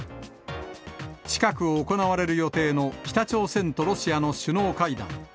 近く行われる予定の北朝鮮とロシアの首脳会談。